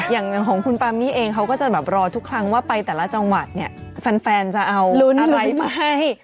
อย่างของคุณปามมี่เองเขาก็จะแบบรอทุกครั้งว่าไปแต่ละจังหวัดเนี่ยแฟนจะเอาลุ้นอะไรมาให้